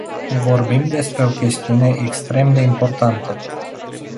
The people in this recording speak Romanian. Vorbim despre o chestiune extrem de importantă.